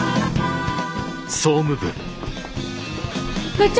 部長！